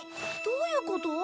どういうこと？